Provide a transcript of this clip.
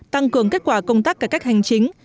tăng cường kết quả công tác cả các hành chính